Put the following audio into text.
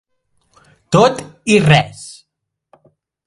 Tot i res.